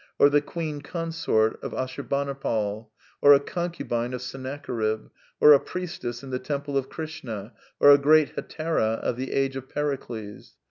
or the queen consort of Assurbanipal, or a concubine of Senna cherib, or a priestess in the temple of Krishna, or a great hetaira of the age of Pericles.